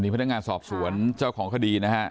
พนักงานสอบสวนเจ้าของคดีนะฮะ